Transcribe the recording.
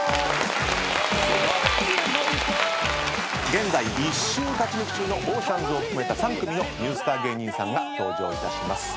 現在１週勝ち抜き中のおーしゃんずを含めた３組のニュースター芸人さんが登場いたします。